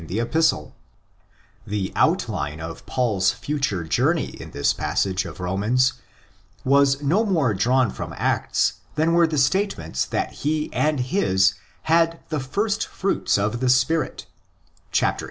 The 184 THE EPISTLE TO THE ROMANS outline of Paul's future journey in this passage of Romans was no more drawn from Acts than were the statements that he and his had '' the firstfruits of the Spirit '' (viii.